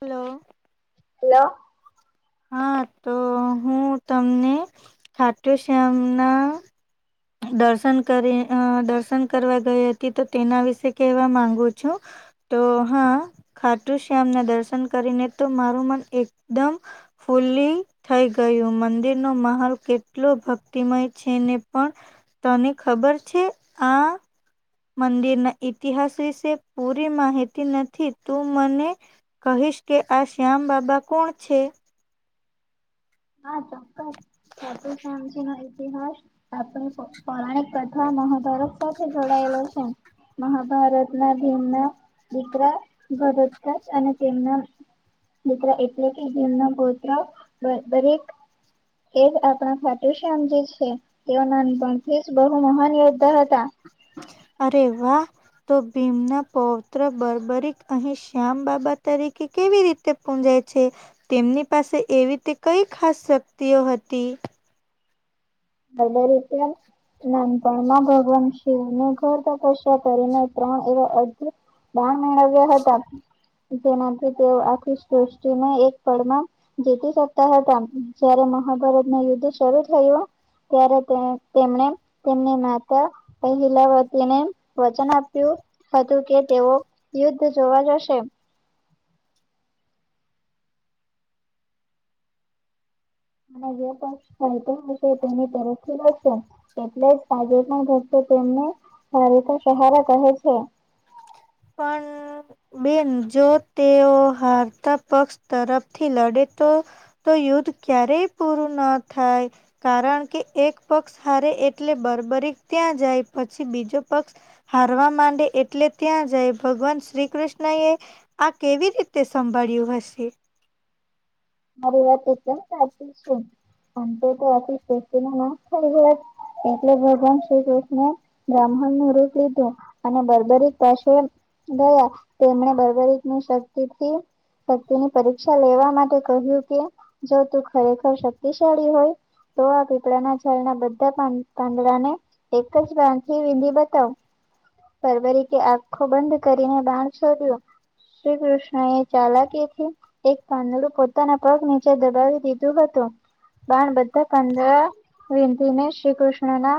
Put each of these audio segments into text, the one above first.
Hello. Hello. હા તો હું તમને ખાટુ શ્યામ મના. દર્શન કરી અ દર્શન કરવા ગઈ હતી તો તેના વિશે કહેવા માંગુ છું. તો હા ખાટુ શ્યામ ના દર્શન કરીને તો મારું મન એકદમ. ફુલ્લી થઈ ગયું મંદિરનો મહહોલ કેટલો ભક્તિમય છે ને પણ તને ખબર છે આ. મંદિરના ઈતિહાસ વિશે પૂરી માહિતી નથી તું મને કહીશ કે આ શ્યામ બાબા કોણ છે. હા ચોક્કસ ખાટુ શ્યામ જી નો ઈતિહાસ આપણી પૌ પૌરાણિક કથા મહાભારત સાથે જોડાયેલો છે. મહાભારત ના ભીમના દીકરા ધટોજગ અને તેમના. મિત્ર એટલે કે જીન ગોત્ર. દરેક એજ આપણા ખાટું શામજી છે. તેઓ ના નપણથી જ બહુ મહાન યોદ્ધા હતા. અરે વાહ તો ભીમના પૌત્ર બર્બરીક અહીં શ્યામ બાબા તરીકે કેવી રીતે. પૂજાય છે તેમની પાસે એવી તે કઈ ખાસ શક્તિઓ હતી. વધલે રીતે નાનપણમા ભગવાન. ઘર તપસ્યા કરીને ત્રણ એવા અધ દાન મેળવ્યા હતા. જેનાથી તેઓ આખી સૃષ્ટિને એક પળમાં. જીતી શકતા હતા પણ જયારે મહાભારત નૉ યુદ્ધ શરૂુ થયું. ત્યારે તેમને તેમની માતા. અહીલાવતીને વચન આપ્યું. હતું કે તેઓ યુદ્ધ જોવા જશે. અને જે પણક્ષ ફાય તો હશે તેની તરખી રા. એટલે જ આજે પણ ભક્તો તેમને ભારેતા સહારા કહે છે. પણ. બેન જો તેઓ હારતા પક્ષ તરફથી લડે તો. તો યુદ્ધ ક્યારેય પૂરું ના થાય. કારણ કે એક પક્ષ હારે એટલે બરબરી ત્યાં જાય પછી બીજો પક્ષ. હારવા માંડે એટલે ત્યાં જ. જય ભગવાન શ્રી કૃષ્ણ એ આ કેવી રીતે સંભાળ્યું હશે. મારી વાત એકદમ સાચું તો તો [unintelligible] એટલે ભગવાન શ્રી કૃષ્ણએ બ્રાહ્મણ નું રૂપ લીધું અને બર્બરીક પાછ ગયા તેમણે બર્બરીકની શક્તિથી શક્તિની પરીક્ષા લેવા માટે કહ્યું કે જો તું ખરેખર શક્તિશાળી હોય. તો આ પીપડાના છાલના બધા પાંદડા ને એક જ બાંખી વિંદી બતાવ. ફરવરી કે આખો બંધ કરીને બાણ શોધ્યું. શ્રી કૃષ્ણ એ ચાલાકી થી એક પાંદડુ કપ પોતાના પગ નીચે દબાવી દીધું હતું. બાણ બધા કંદ વિંધીને શ્રી કૃષ્ણ ના.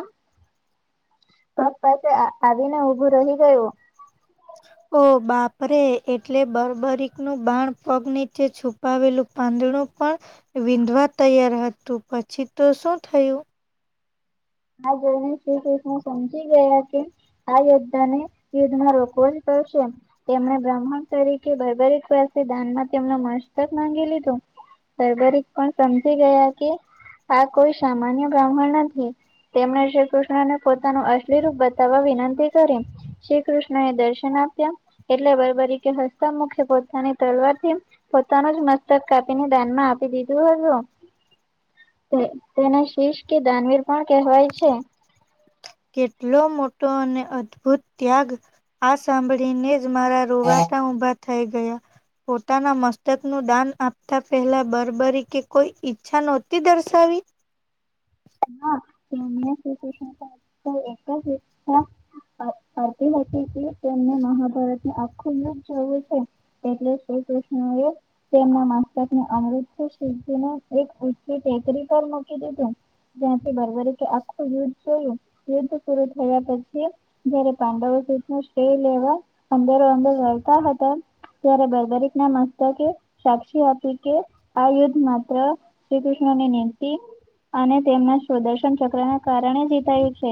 પગ પાશે આવીને ઊભું રહી ગયું. ઓ બાપરે એટલે બર્બરકનું બાણ પગ નીચે છૂ પાવેલું પાંદડું પણ વીંધવા તૈયાર હતું પછી તો શું થયું. હા જોઈને શ્રી કૃષ્ણ સમજી ગયા કે. આ યોધ્ધા ને યુદ્ધમાં રોકવો જ પડશે તેમણે બ્રહ્મણ તરીકે ભૈબરેક પાસે દાનમાં તેમનો મસ્તક માંગી લીધું. સરબરી પણ સમજી ગયા કે આ કોઈ સામાન્ય બ્રાહ્મણ નથી તેમણે શ્રી કૃષ્ણને પોતાનું અશ્લી રૂપ બતાવવા વિનંતી કરી. શ્રી કૃષ્ણ એ દર્શન આપ્યા એટલે બરબરી કે હસ્ત મુખે પોતાની તલવારથી. પોતાનું જ મસ્તક કાપીને દાનમાં આપી દીધું હતું. તેને શિષ કે દાનવીર પણ કહેવાય છે. કેટલો મોટો અને અદભુત ત્યાગ. આ સાંભળીને જ મારા રોવાટા ઉભા થઈ ગયા. પોતાના મસ્તક નું દાન આપતા પહેલા બરબરી કે કોઈ ઈચ્છા નોતી દર્શાવી. [unintelligible] કરતી હતી કે તેમને મહાભારતનું આખું બુક જોયુ છે. એટલે શ્રી કૃષ્ણ એ તેમના મસ્તકને અમૃત શુદ્ધ ને એક ટેકરી પર મૂકી દીધું. ત્યાંથી બરોબર કે આખું યુદ્ધ જોયું યુદ્ધ પૂરું થયા પછી. જયારે પાંડવો સુઘી નું સ્ટે લેવા અંદરો અંદર રતા હતા. ત્યારે બર્બરીક ના મસ્તકે સાક્ષી આપી કે આ યુદ્ધ માત્ર. શ્રી કૃષ્ણની નિમતી અને તેમના સ્વદર્શન ચક્ર ના કારણે જીતાયું છે.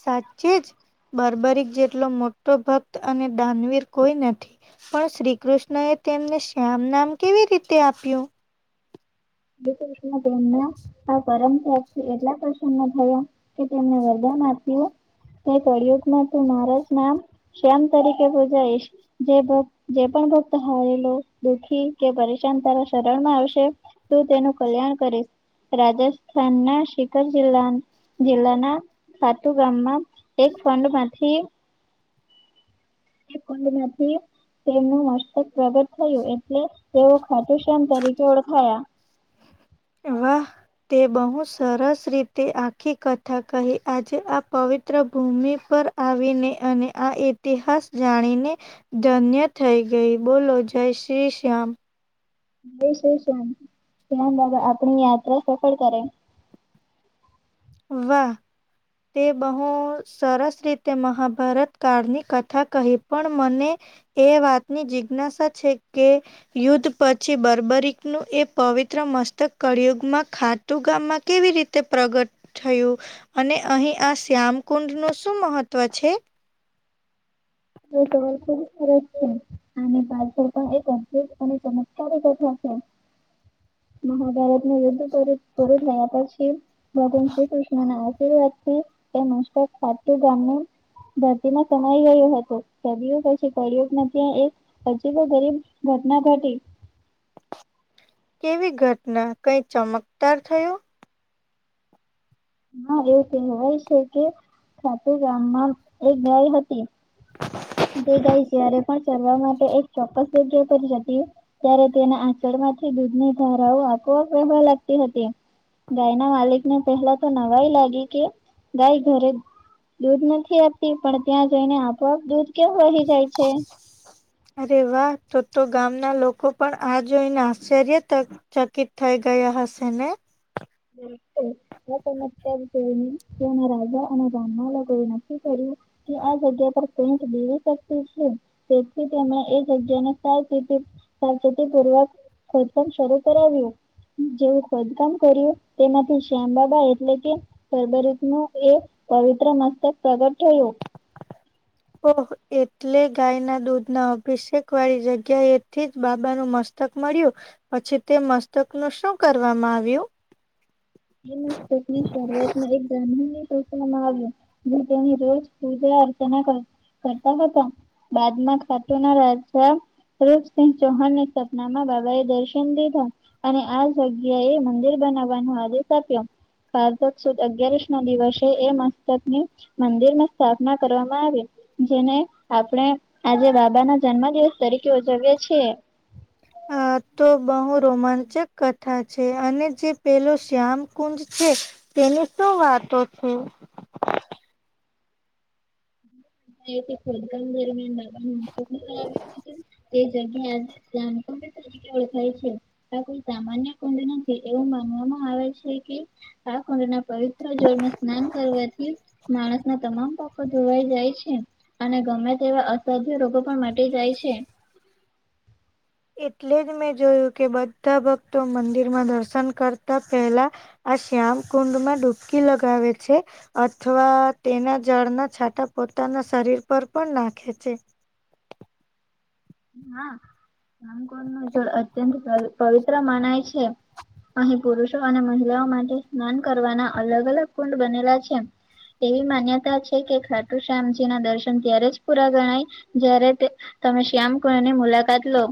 સાચે જ બરબરીક જેટલો મોટો ભક્ત અને દાનવીર કોઈ નથી. પણ શ્રી કૃષ્ણ એ તેમને શ્યામ નામ કેવી રીતે આપ્યું. શ્રી કૃષ્ણ એ તેમને હ પરમ સાગથી એટલા પ્રસન્ન થયા કે તેમને આપ્યું ન કળિયુગ માં તું મારા જ નામ શ્યામ તરીકે પૂજાઈશ. જે ભક્ત જે પણ ભક્ત હારેલો દુઃખી કે પરેશાન તારા શરણ માં આવશે. તો તેનું કલ્યાણ કરીશ રાજસ્થાનના શીકર જિલ્લા જિલ્લાના. સાતુ ગામમાં એક ફંડ માંથી. [inaudible] તેમનું મસ્તક પ્રગટ થયું એ એટલે તેવો ખાતુશમ તરીકે ઓળખાયા. વા તે બહુ સરસ રીતે આખી કથા કહી આજે આ પવિત્ર ભૂમિ પર આવીને અને આ ઇતિહાસ જાણીને ધન્ય થઈ ગઈ બોલો જય શ્રી શ્યામ. એ શું શ્યાન આપણી યાત્રા સફળ કરે. વાહ. તે બહુ સરસ રીતે મહાભારત કાળની કથા કહી પણ મને એ વાતની જિજ્ઞાસા છે કે યુદ્ધ પછી બર્બરીક નું એ પવિત્ર મસ્તક કળિયુગમાં ખા તું ગામમાં કેવી રીતે પ્રગટ થયું અને અહી આ શ્યામ કુંડ નું શું મહત્વ છે? હ તો વરપ કર છે [unintelligible] અને પાછળ પણ એક અદભુત અને ચમત્કારી કથા છે. મહાભારતને યુદ્ધ પૂરું થયા પછી. ભગવાન શ્રી કૃષ્ણના આશીર્વાદથી, એ મસ્તક ગામનુ. ભરતીમાં સમાઈ ગયો હતો. કર પછી પડ્યું નથી ત્યાં એક અજીબો ગરીબ ઘટના ઘટી. કેવી ઘટના કઈ ચમકદાર થયો? હા એવું કહેવાય છે કે, ખાતે ગામમાં એક ગાય હતી. [inaudible] જે ગાય જ્યારે પણ ચરવા માટે એક ચોક્કસ જગ્યા કરી જતી. ત્યારે તેના આચળ માંથી દૂધની ધારાઓ આપોઆપ વહેવા લાગતી હતી. ગાય ના માલિક ને પહેલા તો નવાય લાગી કે, ગાય ઘરે દૂધ નથી આપતી પણ ત્યાં જઈને આપોઆપ દૂધ કેવું વહી જાય છે. અરે વાહ તો તો ગામના લોકો પણ આ જોઈને આશ્ચર્ય તક ચકીત થઇ ગયા હશે ને? [inaudible] એ તને અત્યારે જોઈના રાજા અને રાહ કોઈ નક્કી કર્યું. કે આ જગ્યા પર પેન્ટ દેવી શક્તિ છે. તેથી તેમણે એ જગ્યા સાવચેતી પૂર્વક ખોદકામ શરૂ કરાવ્યું, જેવું ખોદકામ કર્યું. તેમાંથી શ્યામ બાબા એટલે કે. ગરભરીત નું એ પવિત્ર મસ્તક પ્રગટ થયું. ઓહ એટલે ગાય ના દૂધ ના અભિષેક વાળી જગ્યા એથી જ બાબાનું મસ્તક મસ્તક મળ્યું, પછી તે મસ્તક નું શું કરવામાં આવ્યું? એ મસ્તક ની શરૂઆત એક ગ્રામીણ ની સૂચવામાં આવ્યું. જે તેની રોજ પૂજા અર્ચના કરતા હતા. બાદમાં ખાતુંના રાજા. રૂપસિંહ ચૌહાણની સપનામાં બાબા એ દર્શન દીધા. અને આ જગ્યા એ મંદિર બનાવવાનો આદેશ આપ્યો. કારધક સુદ અગયારસ નો દિવસ એ મસ્તકની મંદિર માં સ્થાપના કરવામાં આવી. જેને આપણે આજે બાબા ના જન્મ દિવસ તરીકે ઉજવીએ છીએ. આ તો બહુ રોમાંચક કથા છે અને જે પેલો શ્યામ કુંજ છે. તેની શું વાતો છે? ખોદકામ દરમિયાન બાાબા આવે તે જગ્યામ ઓળખાય છે, આ કોઈ સામાન્ય કુંડ નથી એવું માનવામાં આવે છે કે આ કુંડના પવિત્ર જોળ ને સ્નાન કરવાથી. માણસ ના તમામ પાકો જોવાઈ જાય છે. અને ગમે તેવા અસાધ્ય રોગો પણ મટી જાય છે. એટલે જ મેં જોયું કે બધા ભક્તો મંદિરમાં દર્શન કરતા પહેલા. આ શ્યામ કુંડમાં ડુબકી લગાવે છે. અથવા તેના જળના છાટા પોતાના શરીર પર પણ નાખે છે. હા રામકોળ ન જળ અત્યંત પવિત્ર મનાય છે. અહીં પુરુષો અને મહિલાઓ માટે સ્નાન કરવાના અલગ અલગ કુંડ બનેલા છે. તેવી માન્યતા છે કે ખાટુ શ્યામજી ના દર્શન ત્યારે જ પૂરા ગણાય જ્યારે તમે શ્યામ કુંડની મુલાકાત લો.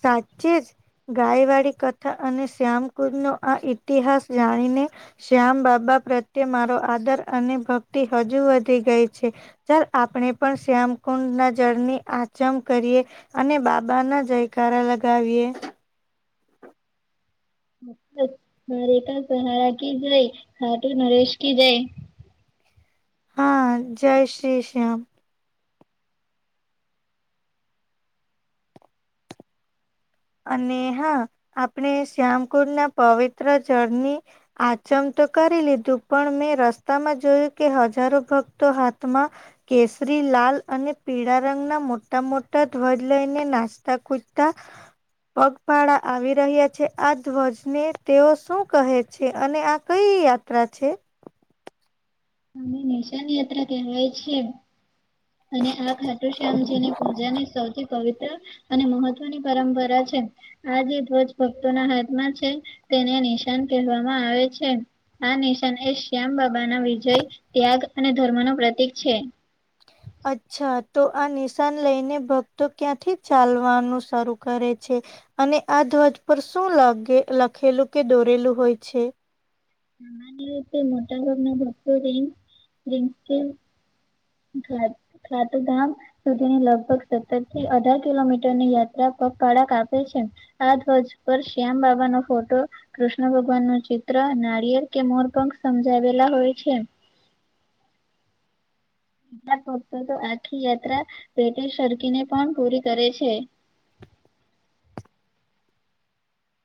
સાચચી જ. ગાય વાળી કથા અને શ્યામકુદ નો આ ઇતિહાસ જાણીને. શ્યામ બાબા પ્રત્યે મારો આદર અને ભક્તિ હજુ વધી ગઈ છે. ચાલ આપણે પણ શ્યામકુંડ ના જળની આચમ કરીએ, અને બાબાના જયકારા લગાવીએ. રે પા સહારા કી જાય હાટુ નરેશ કી જય. હા જય શ્રી શ્યામ. અને હા આપણે શ્યામકુળ ના પવિત્ર જળની આચમ તો કરી લીધું પણ મેં રસ્તામાં જોયું કે હજારો ભક્તો હાથમાં. કેસરી લાલ અને પીળા રંગના મોટા મોટા ધ્વજ લઈને નાચતા કૂદતા. પગપાળા આવી રહ્યા છે આ ધ્વજને તેઓ શું કહે છે અને આ કઈ યાદ ત્રા છે. અને નિશાન યાત્રા કહેવાય છે એમ અને આ ખાટુ શ્યામજીની પૂજાની સૌથી પવિત્ર. અને મહત્વની પરંપરા છે. આ જે ધ્વજ ભક્તોના હાથમાં છે તેને નિશાન કહેવામાં આવે છે. આ નિશાન એ શ્યામ બાબા ના વિજય ત્યાગ અને ધર્મ ન પ્રતીક છે. અચ્છા તો આ નિશાન લઈને ભક્તો ક્યાંથી ચાલવાનું શરૂ કરે છે. અને આ ધ્વજ પર શું લાગે લખેલું કે દોરેલું હોય છે. મોટા ભાગના ભક્તો રીમ જીમ ઘા રાતું ધામ. સુધીની લગભગ સત્તર થી અઢાર કિલોમીટર ની યાત્રા પગપાળાક આપે છે. આ ધ્વજ પર શ્યામ બાબા નો ફોટો કૃષ્ણ ભગવાન નું ચિત્ર નાિયેર કે મોર. પક સમજાવેલા હોય છે. ફત તો આખી યાત્રા પેટે સરળકી ને પણ પૂરી કરે છે.